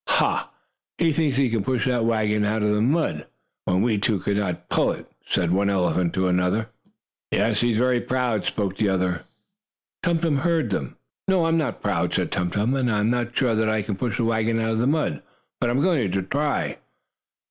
"Ha! He thinks he can push that wagon out of the mud, when we two could not pull it," said one elephant to the other. "Yes, he is very proud," spoke the other. Tum Tum heard them. "No, I am not proud," said Tum Tum, "and I am not sure that I can push the wagon out of the mud, but I am going to try."